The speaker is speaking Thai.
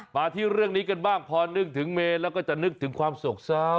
มาที่เรื่องนี้กันบ้างพอนึกถึงเมนแล้วก็จะนึกถึงความโศกเศร้า